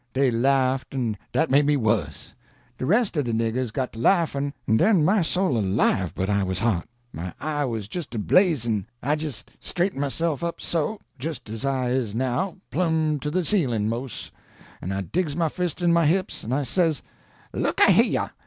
Dey laughed, an' dat made me wuss. De res' o' de niggers got to laughin', an' den my soul alive but I was hot! My eye was jist a blazin'! I jist straightened myself up so jist as I is now, plum to de ceilin', mos' an' I digs my fists into my hips, an' I says, 'Look a heah!'